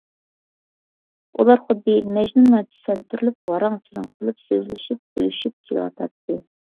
ئۇلار خۇددى مەجنۇنلارچە سەنتۈرۈلۈپ، ۋاراڭ - چۇرۇڭ قىلىپ سۆزلىشىپ - كۈلۈشۈپ كېلىۋاتاتتى.